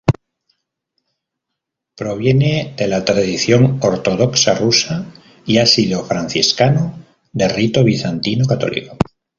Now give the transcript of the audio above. Proviene de la tradición Ortodoxa Rusa y ha sido franciscano de rito bizantino católico.